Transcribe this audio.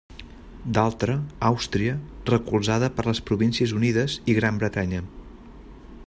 D'altra, Àustria, recolzada per les Províncies Unides i Gran Bretanya.